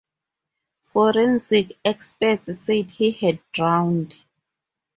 Forensic experts said he had drowned.